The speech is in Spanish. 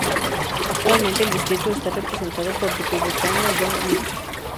Actualmente el distrito está representado por el Republicano John Mica.